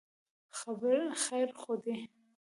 خیر خو دی.